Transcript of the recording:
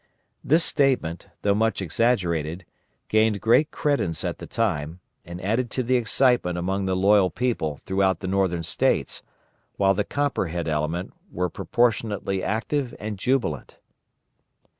This statement, though much exaggerated, gained great credence at the time, and added to the excitement among the loyal people throughout the Northern States, while the copperhead element were proportionally active and jubilant.